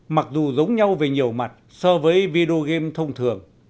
mặc dù giống nhau về nhiều mặt so với video game thông thường